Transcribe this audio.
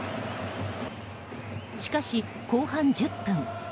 しかし、後半１０分。